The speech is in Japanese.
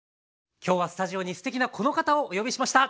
今日はスタジオにすてきなこの方をお呼びしました。